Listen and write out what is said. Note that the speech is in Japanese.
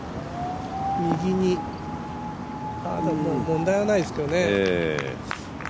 右に、問題はないですけどね。